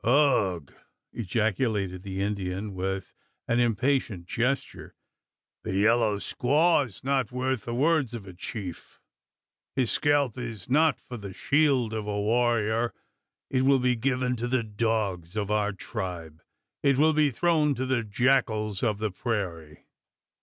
"Ugh!" ejaculated the Indian with an impatient gesture. "The yellow squaw is not worth the words of a chief. His scalp is not for the shield of a warrior. It will be given to the dogs of our tribe. It will be thrown to the jackals of the prairie."